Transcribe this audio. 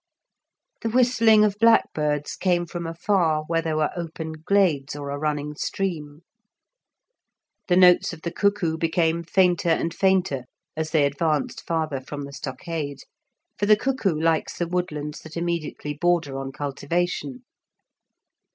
The whistling of blackbirds came from afar where there were open glades or a running stream; the notes of the cuckoo became fainter and fainter as they advanced farther from the stockade, for the cuckoo likes the woodlands that immediately border on cultivation.